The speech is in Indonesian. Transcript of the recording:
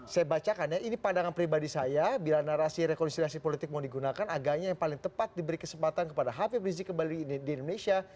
saya bacakan ya ini pandangan pribadi saya bila narasi rekonsiliasi politik mau digunakan agaknya yang paling tepat diberi kesempatan kepada habib rizik kembali di indonesia